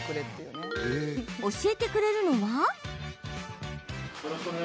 教えてくれるのは。